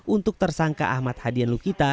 untuk tersangka ahmad hadian lukita